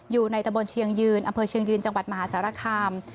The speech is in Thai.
อยู่ในตะบนเชียงยืนอำเภอเชียงยืนจังหวัดมหาสารคาม